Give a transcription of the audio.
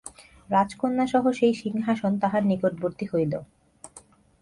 রাজকন্যাসহ সেই সিংহাসন তাঁহার নিকটবর্তী হইল।